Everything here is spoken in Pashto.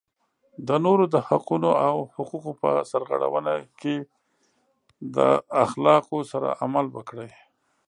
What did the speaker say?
د نورو د حقونو او حقوقو په سرغړونه کې د اخلاقو سره عمل وکړئ.